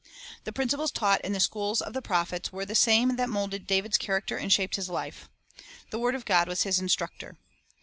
The principles taught in the schools of the prophets were the same that moulded David's character and shaped his life. The word of God was his instructor.